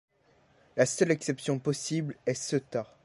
La seule exception possible est Ceuta.